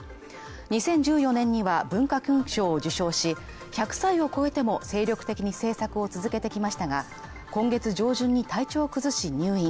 ２０１４年には文化勲章を受章し、１００歳を超えても精力的に制作を続けてきましたが、今月上旬に体調を崩し入院